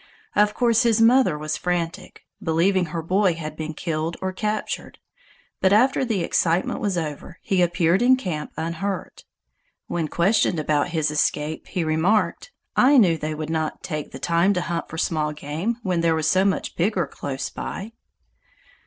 Of course his mother was frantic, believing her boy had been killed or captured; but after the excitement was over, he appeared in camp unhurt. When questioned about his escape, he remarked: "I knew they would not take the time to hunt for small game when there was so much bigger close by."